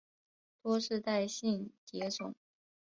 多世代性蝶种。